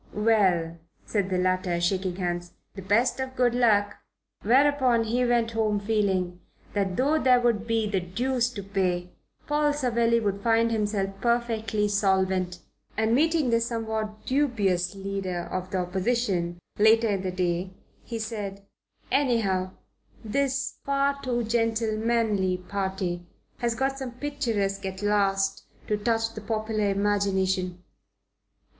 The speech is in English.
"Well," said the latter, shaking hands, "the best of good luck!" Whereupon he went home feeling that though there would be the deuce to pay, Paul Savelli would find himself perfectly solvent; and meeting the somewhat dubious Leader of the Opposition later in the day he said: "Anyhow, this 'far too gentlemanly party' has got someone picturesque, at last, to touch the popular imagination."